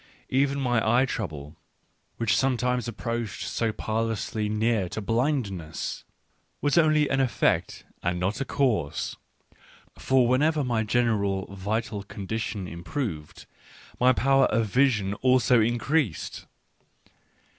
Even my eye trouble, which sometimes approached so parlously near to blindness, was only an effect and not a cause ; for, whenever my general vital condition improved, my power of vision also increased.